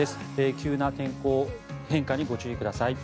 急な天候変化にご注意ください。